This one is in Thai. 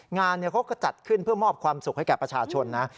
งานเขาก็จัดขึ้นเพื่อมอบความสุขให้แก่ประชาชนนะ